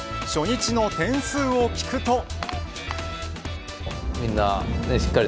初日の点数を聞くと。